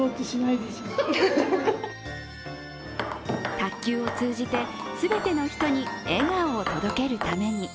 卓球を通じて全ての人に笑顔を届けるために。